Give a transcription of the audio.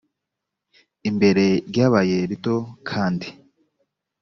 imbere ryabaye rito kandi